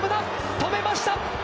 止めました！